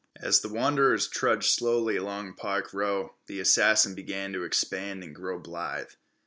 As the wanderers trudged slowly along Park Row, the assassin began to expand and grow blithe.